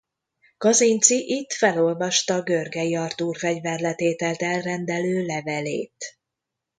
Kazinczy itt felolvasta Görgey Artúr fegyverletételt elrendelő levelét.